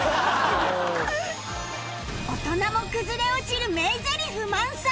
大人も崩れ落ちる名ゼリフ満載！